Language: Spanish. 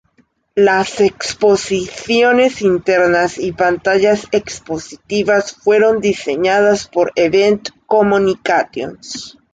Las exposiciones internas y pantallas expositivas fueron diseñadas por Event Communications.